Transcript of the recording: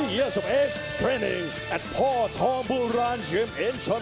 ยุทธพรสุทธวรรดิ์จันรายความ